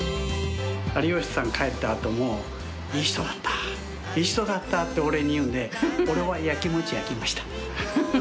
有吉さん帰った後も「いい人だったいい人だった」って俺に言うんで俺は焼きもち焼きました。